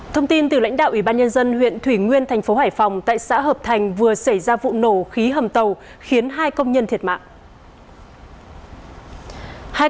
thông tin từ lãnh đạo ủy ban nhân dân huyện thủy nguyên thành phố hải phòng tại xã hợp thành vừa xảy ra vụ nổ khí hầm tàu khiến hai công nhân thiệt mạng